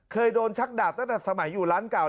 เคยโดนชักดาบตั้งแต่สมัยอยู่ร้านเก่า